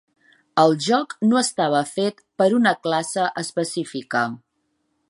El joc no estava fet per una classe específica.